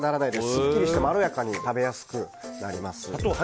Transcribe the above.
すっきりしてまろやかに食べやすくなります。